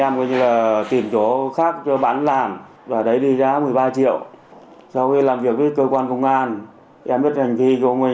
em biết hành vi của mình mua bán người em sai